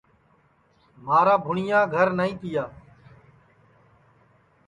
مھارا بھوٹؔیا گھر نائی تیا